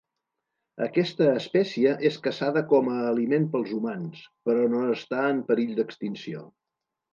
Aquesta espècie és caçada com a aliment pels humans, però no està en perill d'extinció.